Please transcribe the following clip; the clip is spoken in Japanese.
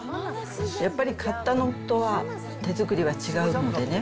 やっぱり買ったのとは手作りは違うのでね。